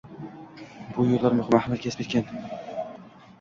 Bu yoʻllar muhim ahamiyat kasb etgan.